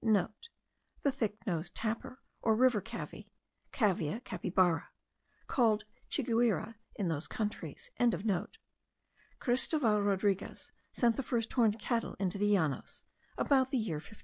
*(* The thick nosed tapir, or river cavy (Cavia capybara), called chiguire in those countries.) Christoval Rodriguez sent the first horned cattle into the Llanos, about the year 1548.